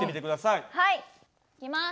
はい。いきます。